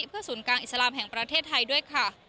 เพื่อศูนย์กลางอิสลามแห่งประเทศไทยด้วยค่ะ